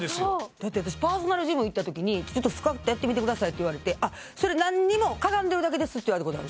だって私パーソナルジム行ったときに「ちょっとスクワットやってみてください」って言われて「あっそれ何にも。かがんでるだけです」って言われたことある。